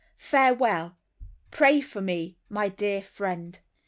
Farewell. Pray for me, dear friend."